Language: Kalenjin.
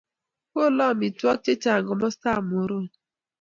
kolu omitwokik chechang komostab Muhoroni